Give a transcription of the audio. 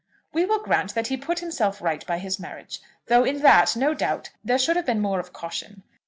"We will grant that he put himself right by his marriage, though in that, no doubt, there should have been more of caution.